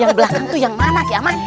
yang belakang itu yang mana diamankan